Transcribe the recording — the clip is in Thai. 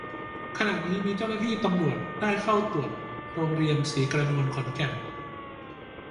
ขณะนี้มีเจ้าหน้าที่ตำรวจได้เข้าตรวจโรงเรียนศรีกระนวน ขอนแก่น